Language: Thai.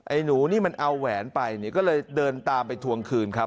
หนูนี่มันเอาแหวนไปเนี่ยก็เลยเดินตามไปทวงคืนครับ